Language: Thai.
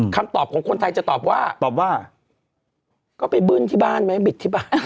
คำตอบของคนไทยจะตอบว่าตอบว่าก็ไปบึ้นที่บ้านไหมบิดที่บ้าน